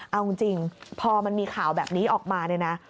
เอาจริงพอมันมีข่าวแบบนี้ออกมาเนี่ยนะ